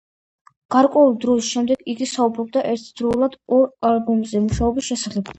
გარკვეული დროის შემდეგ იგი საუბრობდა ერთდროულად ორ ალბომზე მუშაობის შესახებ.